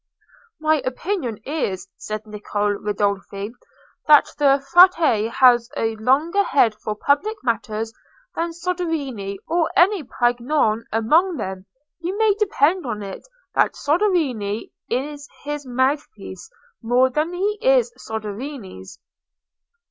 "My opinion is," said Niccolò Ridolfi, "that the Frate has a longer head for public matters than Soderini or any Piagnone among them: you may depend on it that Soderini is his mouthpiece more than he is Soderini's."